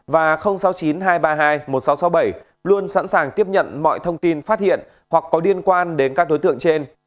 và sáu mươi chín hai trăm ba mươi hai một nghìn sáu trăm sáu mươi bảy luôn sẵn sàng tiếp nhận mọi thông tin phát hiện hoặc có liên quan đến các đối tượng trên